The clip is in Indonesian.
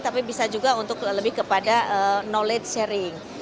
tapi bisa juga untuk lebih kepada knowledge sharing